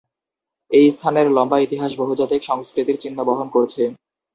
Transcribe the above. এই স্থানের লম্বা ইতিহাস বহুজাতিক সংস্কৃতির চিহ্ন বহন করছে।